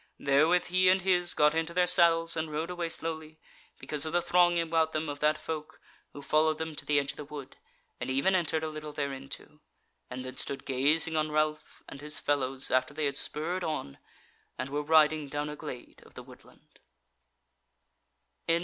Therewith he and his got into their saddles and rode away slowly, because of the thronging about them of that folk, who followed them to the edge of the wood, and even entered a little thereinto; and then stood gazing on Ralph and his fellows after they had spurred on and were riding down a glade of the woodland.